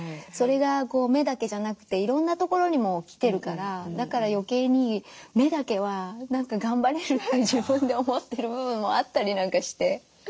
それが目だけじゃなくていろんなところにも来てるからだから余計に目だけは何か頑張れるって自分で思ってる部分もあったりなんかして。